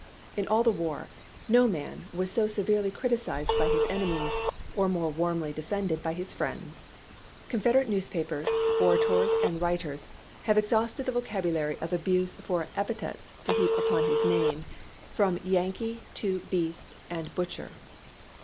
In all the war no man was so severely criticized by his ene mies or more warmly defended by his friends. Con federate newspapers, orators, and writers have ex hausted the vocabulary of abuse for epithets to heap upon his name, from "Yankee" to "Beast" and "Butcher."